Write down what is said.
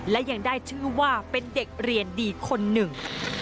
และยังได้ชื่อว่าเป็นเด็กเรียนดีคนหนึ่ง